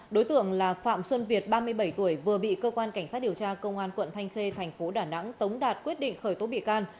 đối tượng là phạm xuân việt ba mươi bảy tuổi vừa bị cơ quan cảnh sát điều tra công an quận thanh khê thành phố đà nẵng tống đạt quyết định khởi tố bị can